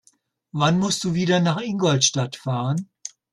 Wann musst du wieder nach Ingolstadt fahren?